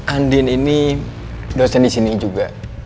andin ini dosen disini juga